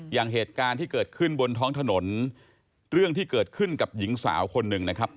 อย่างเหตุการณ์ที่เกิดขึ้นบนท้องถนนเรื่องที่เกิดขึ้นกับหญิงสาวคนหนึ่งนะครับ